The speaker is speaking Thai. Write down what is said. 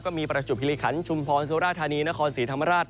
มีประจุบภิริขันชุมพรสุราธานีนครศรีธรรมราช